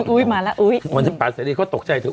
อุ๊ยมาแล้ว